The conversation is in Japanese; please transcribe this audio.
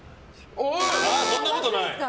そんなことはない？